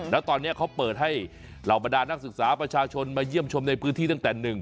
แล้วตอนนี้เขาเปิดให้เหล่าบรรดานักศึกษาประชาชนมาเยี่ยมชมในพื้นที่ตั้งแต่หนึ่ง